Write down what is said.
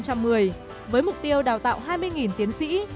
với mục tiêu đào tạo hai mươi tiến sĩ